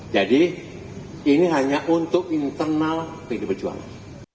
jadi ini hanya untuk internal pdi perjuangan